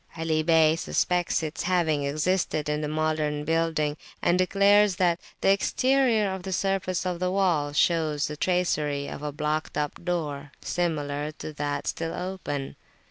Ali Bey suspects its having existed in the modern building, and declares that the exterior surface of the wall shows the tracery of a blocked up door, similar to that still open.